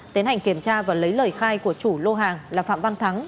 tiến hành kiểm tra và lấy lời khai của chủ lô hàng là phạm văn thắng